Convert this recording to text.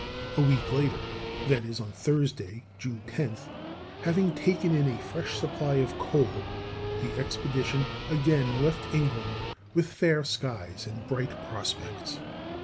A week later i. e., on Thursday, June 10th having taken in a fresh supply of coal, the expedition again left England "with fair skies and bright prospects."